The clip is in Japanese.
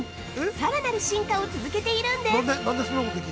さらなる進化を続けているんです。